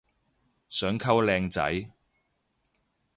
想溝靚仔